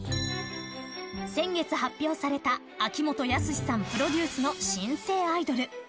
先月発表された秋元康さんプロデュースの新星アイドル。